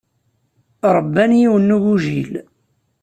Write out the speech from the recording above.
Ṛebban yiwen n ugujil.